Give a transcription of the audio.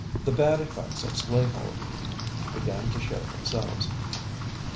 The bad effects of slave holding began to show themselves."